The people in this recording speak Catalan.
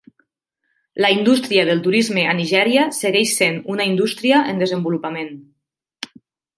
La indústria del turisme a Nigèria segueix sent una indústria en desenvolupament.